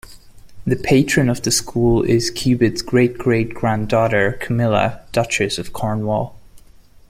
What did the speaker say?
The patron of the school is Cubitt's great-great granddaughter Camilla, Duchess of Cornwall.